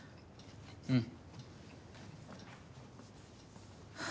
うん。